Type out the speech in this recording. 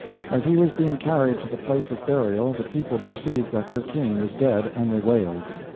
As he was being carried to the place of burial the people perceived that their King was dead, and they wailed.